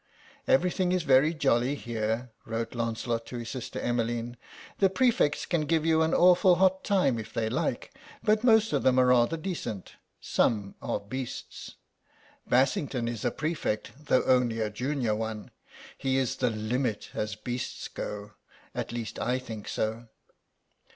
"Everything is very jolly here," wrote Lancelot to his sister Emmeline. "The prefects can give you an awful hot time if they like, but most of them are rather decent. Some are Beasts. Bassington is a prefect though only a junior one. He is the Limit as Beasts go. At least I think so."